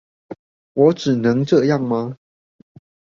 我只能這樣嗎？